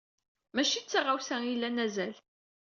Maci d taɣawsa ay ilan azal.